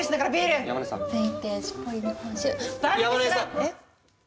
えっ。